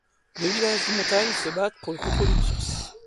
Deux villages de montagne se battent pour le contrôle d'une source.